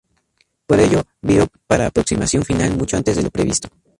Por ello, viró para aproximación final mucho antes de lo previsto.